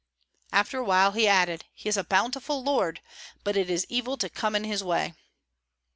After a while he added: "He is a bountiful lord; but it is evil to come in his way."